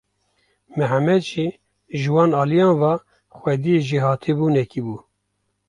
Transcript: Mihemed jî ji wan aliyan ve xwediyê jêhatîbûnekê bû.